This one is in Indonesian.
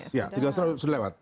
kita sudah kirim